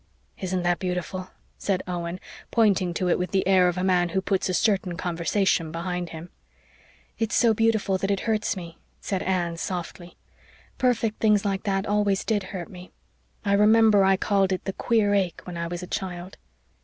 "Isn't that beautiful?" said Owen, pointing to it with the air of a man who puts a certain conversation behind him. "It's so beautiful that it hurts me," said Anne softly. "Perfect things like that always did hurt me I remember I called it 'the queer ache' when I was a child.